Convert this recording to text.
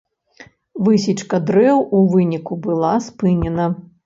Высечка дрэў у выніку была спынена.